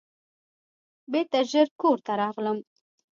بیرته ژر کور ته راغلم.